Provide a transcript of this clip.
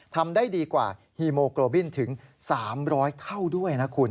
ทำได้ดีกว่าฮีโมโกบินถึง๓๐๐เท่าด้วยนะคุณ